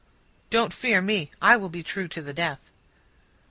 "Don't fear me. I will be true to the death."